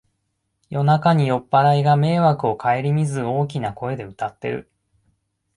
夜中に酔っぱらいが迷惑をかえりみず大きな声で歌ってる